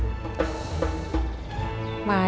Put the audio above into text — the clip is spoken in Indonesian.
terima kasih mas